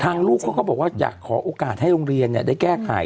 ลูกเขาก็บอกว่าอยากขอโอกาสให้โรงเรียนได้แก้ไข